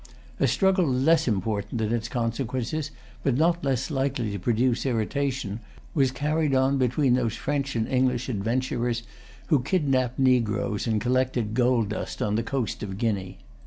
A struggle less important in its consequences, but not less likely to produce irritation, was carried on between those French and English adventurers who kidnapped negroes and collected gold dust on the coast of Guinea.